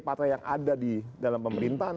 partai yang ada di dalam pemerintahan